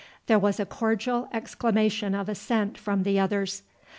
There was a cordial exclamation of assent from the others.